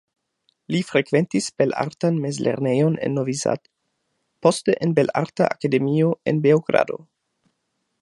Li frekventis belartan mezlernejon en Novi Sad, poste en Belarta Akademio en Beogrado.